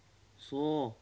そう。